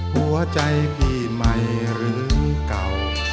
หัวใจพี่ใหม่หรือเก่า